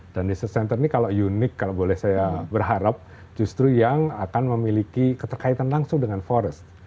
dan research center ini kalau unik kalau boleh saya berharap justru yang akan memiliki keterkaitan langsung dengan forest